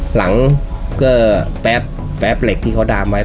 หลังก็แป๊บแป๊บเหล็กที่เขาดามไว้